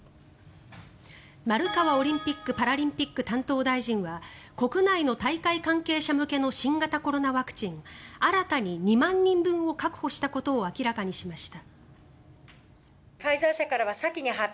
丸川オリンピック・パラリンピック担当大臣は国内の大会関係者向けの新型コロナワクチン新たに２万人分を確保したことを明らかにしました。